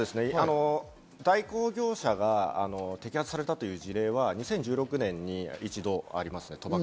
代行業者が摘発されたという事例は２０１６年に一度あります。